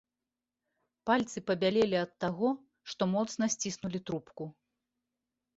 Пальцы пабялелі ад таго, што моцна сціснулі трубку.